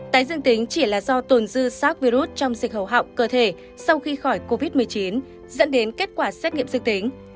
tái dương tính chỉ là do tồn dư sars virus trong dịch hầu họng cơ thể sau khi khỏi covid một mươi chín dẫn đến kết quả xét nghiệm dương tính